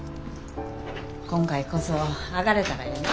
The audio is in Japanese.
今回こそ上がれたらええな。